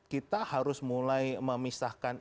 kita harus mulai memisahkan